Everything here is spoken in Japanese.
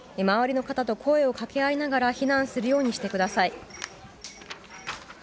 周りの方と声を掛け合いながら避難するようにしてください。